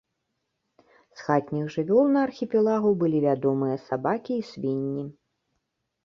З хатніх жывёл на архіпелагу былі вядомыя сабакі і свінні.